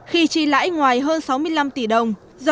khi chi lãi ngoài hơn sáu mươi năm tỷ đồng